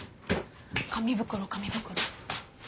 紙袋紙袋。